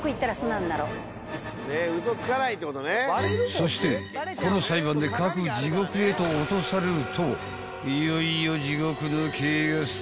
［そしてこの裁判で各地獄へと落とされるといよいよ地獄の刑がスタート］